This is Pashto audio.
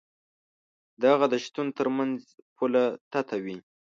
د هغه د شتون تر منځ پوله تته وي.